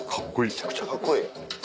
むちゃくちゃカッコいい。